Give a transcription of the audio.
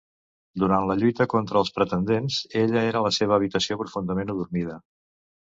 Durant la lluita contra els pretendents, ella era a la seva habitació profundament adormida.